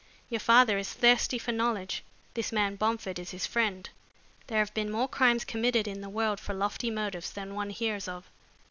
Your father is thirsty for knowledge. This man Bomford is his friend. There have been more crimes committed in the world for lofty motives than one hears of."